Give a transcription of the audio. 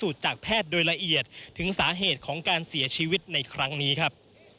จากแพทย์โดยละเอียดถึงสาเหตุของการเสียชีวิตในครั้งนี้ครับ